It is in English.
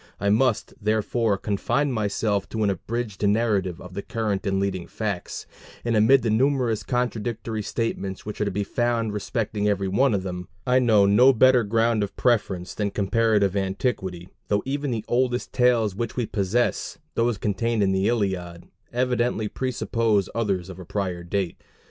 I must, therefore, confine myself to an abridged narrative of the current and leading facts; and amid the numerous contradictory statements which are to be found respecting every one of them, I know no better ground of preference than comparative antiquity, though even the oldest tales which we possess those contained in the Iliad evidently presuppose others of prior date.